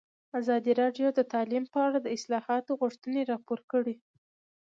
ازادي راډیو د تعلیم په اړه د اصلاحاتو غوښتنې راپور کړې.